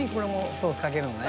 ソースかけるのね。